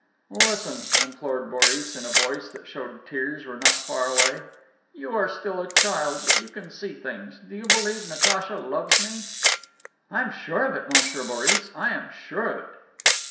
"Listen," implored Boris in a voice that showed tears were not far away. "You are still a child, but still you can see things. Do you believe Natacha loves me?" "I am sure of it, Monsieur Boris; I am sure of it."